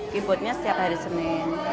keyboardnya setiap hari senin